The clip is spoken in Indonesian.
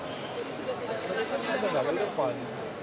ada yang ada di depan